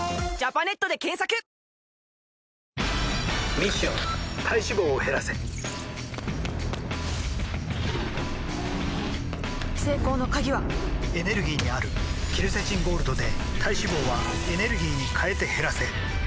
ミッション体脂肪を減らせ成功の鍵はエネルギーにあるケルセチンゴールドで体脂肪はエネルギーに変えて減らせ「特茶」